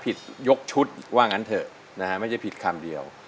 ยกชุดว่างั้นเถอะนะฮะไม่ใช่ผิดคำเดียว